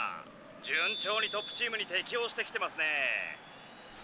順調にトップチームに適応してきてますね」。